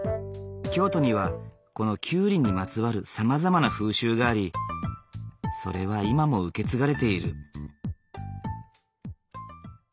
京都にはこのキュウリにまつわるさまざまな風習がありそれは今も受け継がれている。